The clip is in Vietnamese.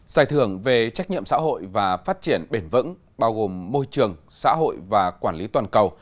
giải thưởng về trách nhiệm xã hội và phát triển bền vững bao gồm môi trường xã hội và quản lý toàn cầu